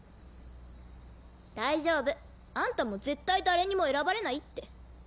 大丈夫。あんたも絶対誰にも選ばれないって。